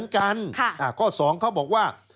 ข้อ๒เขาบอกว่า